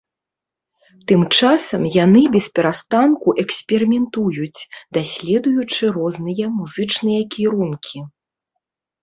Тым часам яны бесперастанку эксперыментуюць, даследуючы розныя музычныя кірункі.